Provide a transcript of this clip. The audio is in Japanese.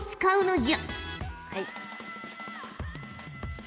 はい。